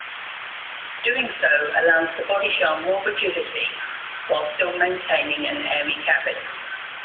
Doing so allows the bodyshell more rigidity while still maintaining an airy cabin.